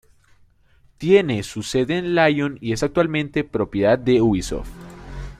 Tiene su sede en Lyon, y es actualmente propiedad de Ubisoft.